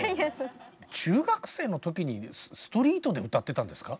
中学生の時にストリートで歌ってたんですか？